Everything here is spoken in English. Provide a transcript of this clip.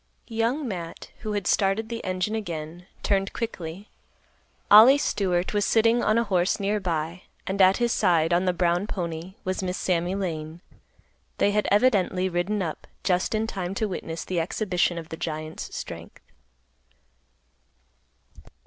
Young Matt, who had started the engine again, turned quickly. Ollie Stewart was sitting on a horse near by, and at his side, on the brown pony, was Miss Sammy Lane. They had evidently ridden up just in time to witness the exhibition of the giant's strength.